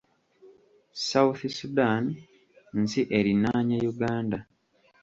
South Sudan nsi erinaanye Uganda.